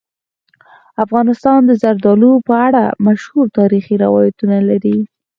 افغانستان د زردالو په اړه مشهور تاریخی روایتونه لري.